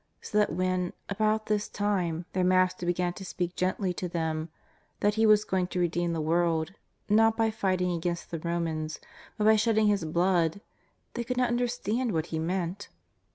So that when, about this time, their Master began to break gently to them that He was going to redeem the world, not by fighting against the Romans, but by shedding His Blood, they could not un derstand what He meant.